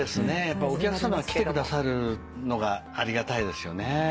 お客さまが来てくださるのがありがたいですよね。